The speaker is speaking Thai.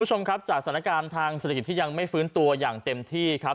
คุณผู้ชมครับจากสถานการณ์ทางเศรษฐกิจที่ยังไม่ฟื้นตัวอย่างเต็มที่ครับ